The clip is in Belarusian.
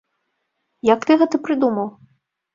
Як ты гэта прыдумаў?